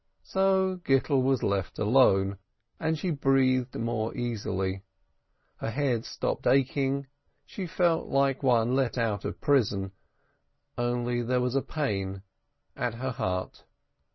So Gittel was left alone, and she breathed more easily, her head stopped aching, she felt like one let out of prison, only there was a pain at her heart.